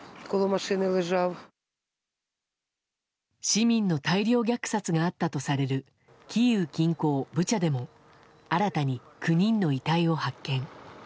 市民の大量虐殺があったとされるキーウ近郊ブチャでも新たに９人の遺体を発見。